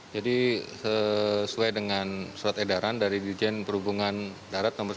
jadi sesuai dengan surat edaran dari dirjen perhubungan darat nomor sembilan